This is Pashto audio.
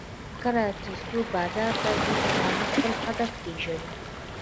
کله چې څوک بازار ته ځي نو هغه خپل هدف پېژني